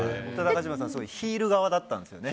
ヒール側だったんですよね。